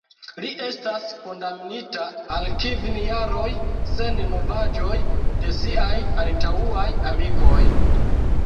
Li estas kondamnita al kvin jaroj, sen novaĵoj de siaj antaŭaj amikoj.